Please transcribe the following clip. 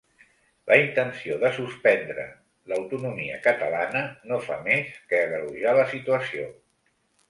La intenció de ‘suspendre’ l’autonomia catalana no fa més que agreujar la situació.